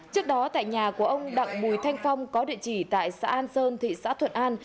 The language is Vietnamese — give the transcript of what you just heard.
trước đó tại nhà của ông đặng bùi thanh phong có địa chỉ tại xã an sơn thị xã thuận an